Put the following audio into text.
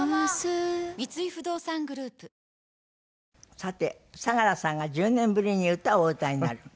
さて佐良さんが１０年ぶりに歌をお歌いになる。